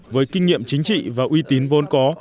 với kinh nghiệm chính trị và uy tín vốn có